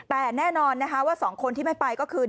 แต่แน่นอนนะคะว่า๒คนที่ไม่ไปก็คือ